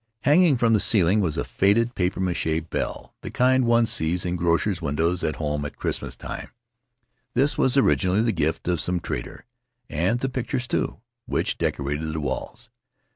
Hanging from the ceiling was a faded papier mache bell, the kind one sees in grocers' windows at home at Christmas time. This was originally the gift of some trader; and the pictures, too, which decorated the walls.